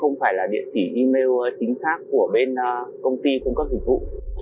không phải là địa chỉ email chính xác của bên công ty cung cấp dịch vụ